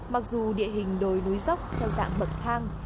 mặc dù địa hình đồi núi dốc theo dạng bậc thang